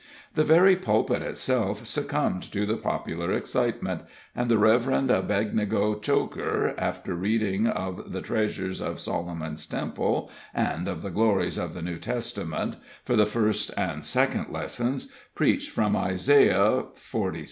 The very pulpit itself succombed to the popular excitement; and the Reverend Abednego Choker, after reading of the treasures of Solomon's Temple, and of the glories of the New Testament, for the first and second lessons, preached from Isaiah xlvi.